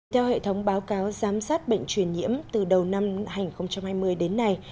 theo hệ thống báo cáo giám sát bệnh truyền nhiễm từ đầu năm hai nghìn hai mươi đến nay